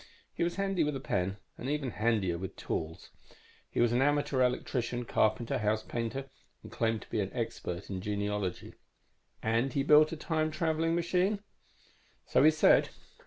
He was handy with a pen, and even handier with tools. He was an amateur electrician, carpenter, house painter, and claimed to be an expert in genealogy." "And he built a time traveling machine?" "So he said.